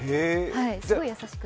すごい優しくて。